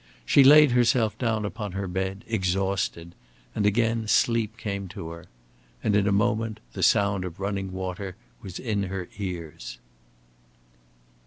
She laid herself down upon her bed, exhausted, and again sleep came to her. And in a moment the sound of running water was in her ears.